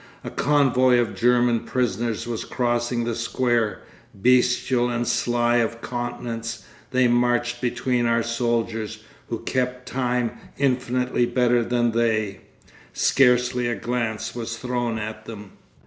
A convoy of German prisoners was crossing the square; bestial and sly of countenance they marched between our own soldiers, who kept time infinitely better than they; scarcely a glance was thrown at them.